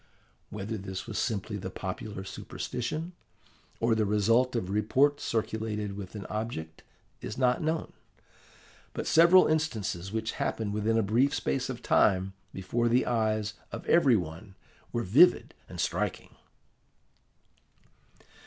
Whether this was simply the popular superstition, or the result of reports circulated with an object, is not known. But several instances which happened within a brief space of time before the eyes of every one were vivid and striking.